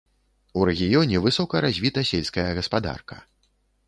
У рэгіёне высока развіта сельская гаспадарка.